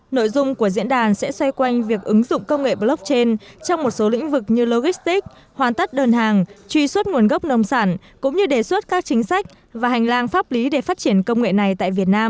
nội dung của diễn đàn sẽ xoay quanh việc ứng dụng công nghệ blockchain trong một số lĩnh vực như logistic hoàn tất đơn hàng truy xuất nguồn gốc nông sản cũng như đề xuất các chính sách và hành lang pháp lý để phát triển công nghệ này tại việt nam